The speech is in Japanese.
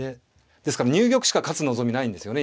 ですから入玉しか勝つ望みないんですよね